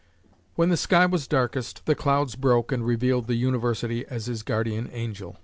When the sky was darkest, the clouds broke and revealed the university as his guardian angel.